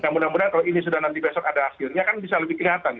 mudah mudahan kalau ini sudah nanti besok ada hasilnya kan bisa lebih kelihatan